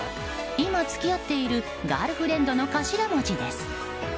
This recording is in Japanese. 今、付き合っているガールフレンドの頭文字です。